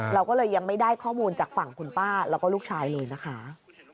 เราก็เลยยังไม่ได้ข้อมูลจากฝั่งคุณป้าแล้วก็ลูกชายเลยนะคะ